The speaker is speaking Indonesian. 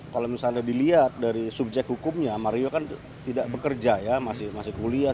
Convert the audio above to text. kalau misalnya dilihat dari subjek hukumnya mario kan tidak bekerja ya masih kuliah